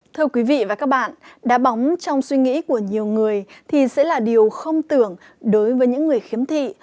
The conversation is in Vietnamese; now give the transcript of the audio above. thưa quý vị và các bạn đá bóng trong suy nghĩ của nhiều người thì sẽ là điều không tưởng đối với những người khiếm thị